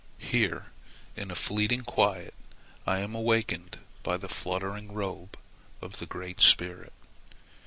Here, in a fleeting quiet, I am awakened by the fluttering robe of the Great Spirit.